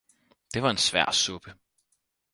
Det var en svær suppe